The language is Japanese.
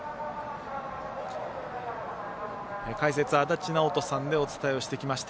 解説、足達尚人さんでお伝えをしてきました。